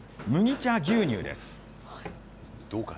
麦茶牛乳です。